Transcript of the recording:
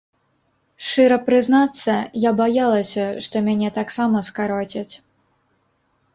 Шчыра прызнацца, я баялася, што мяне таксама скароцяць.